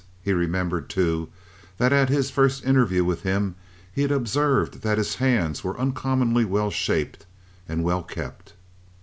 He remembered, too, that at his first interview with him he had observed that his hands were uncommonly well shaped and well kept.